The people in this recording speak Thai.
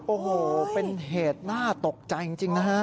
โอ้โหเป็นเหตุน่าตกใจจริงนะฮะ